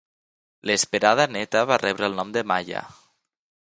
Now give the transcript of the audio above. L'esperada néta va rebre el nom de Maia.